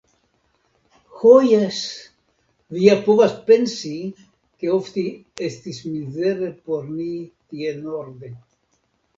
Ho jes, vi ja povas pensi, ke ofte estis mizere por ni tie norde.